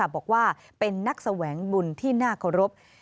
บอกว่าเป็นนักแสวงบุญที่น่าเคารพ